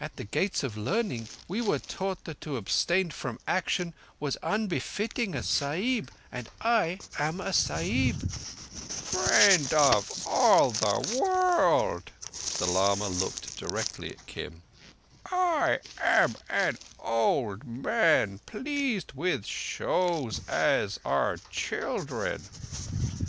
"At the Gates of Learning we were taught that to abstain from action was unbefitting a Sahib. And I am a Sahib." "Friend of all the World,"—the lama looked directly at Kim—"I am an old man—pleased with shows as are children.